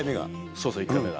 そうそう１回目が。